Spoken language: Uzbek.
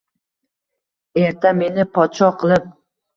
Erta meni podsho qilib